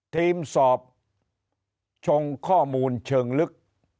ทีมสอบชงข้อมูลเชิงลึก